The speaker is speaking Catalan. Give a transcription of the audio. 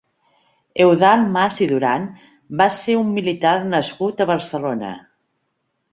Eudald Mas i Duran va ser un militar nascut a Barcelona.